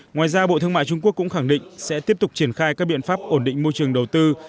ngoài ra bộ thương mại trung quốc cũng khẳng định sẽ tiếp tục triển khai các biện pháp ổn định môi trường đầu tư